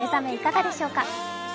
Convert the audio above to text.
皆さん、お目覚めいかがでしょうか。